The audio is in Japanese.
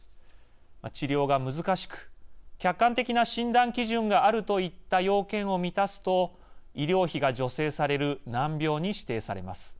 治療が難しく客観的な診断基準があるといった要件を満たすと医療費が助成される難病に指定されます。